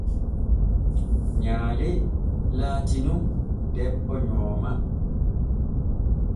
Nyaale latii nun debbo nyooma.